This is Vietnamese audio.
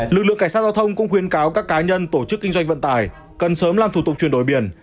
lực lượng cảnh sát giao thông cũng khuyên cáo các cá nhân tổ chức kinh doanh vận tải cần sớm làm thủ tục chuyển đổi biển